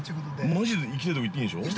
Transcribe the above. ◆マジで、行きたいとこ言っていいんでしょう。